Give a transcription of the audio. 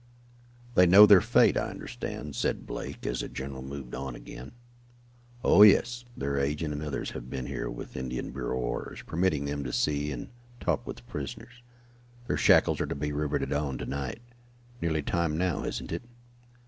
"They know their fate, I understand," said Blake, as the general moved on again. "Oh, yes. Their agent and others have been here with Indian Bureau orders, permitting them to see and talk with the prisoners. Their shackles are to be riveted on to night. Nearly time now, isn't it?"